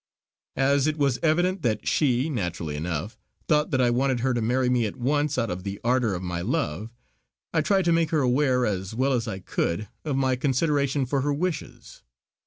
As it was evident that she, naturally enough, thought that I wanted her to marry me at once out of the ardour of my love, I tried to make her aware as well as I could of my consideration for her wishes.